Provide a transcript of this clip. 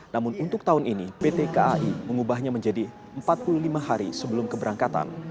namun untuk tahun ini pt kai mengubahnya menjadi empat puluh lima hari sebelum keberangkatan